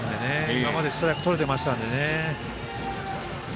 今までストライクとれてましたのでね。